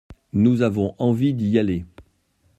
Nous avons envie d’y aller.